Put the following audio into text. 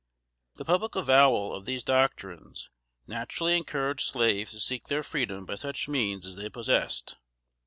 The public avowal of these doctrines, naturally encouraged slaves to seek their freedom by such means as they possessed.